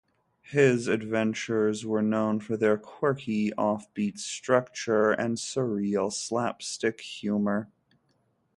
His adventures were known for their quirky, offbeat structure and surreal slapstick humor.